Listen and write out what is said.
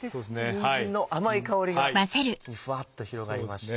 にんじんの甘い香りが一気にふわっと広がりました。